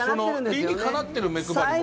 理にかなってる目配りも。